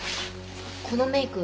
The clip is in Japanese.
このメイク